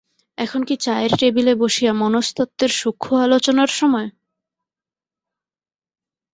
এখন কি চায়ের টেবিলে বসিয়া মনস্তত্ত্বের সূক্ষ্ম আলোচনার সময়?